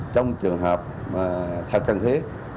trong trường hợp thật cần thiết